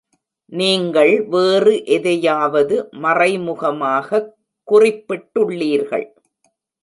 நீங்கள் வேறு எதையாவது மறைமுகமாகக் குறிப்பிட்டுள்ளீர்கள்.